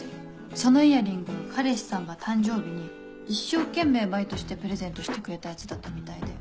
そのイヤリング彼氏さんが誕生日に一生懸命バイトしてプレゼントしてくれたやつだったみたいで。